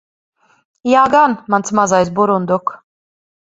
Jā gan, mans mazais burunduk.